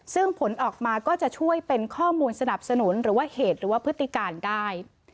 ซึ่งผลออกมาก็จะช่วยเป็นข้อมูลสนับสนุนหรือว่าเหตุหรือว่าพฤติการได้